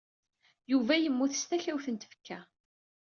Yuba yemmut s takewt n tfekka.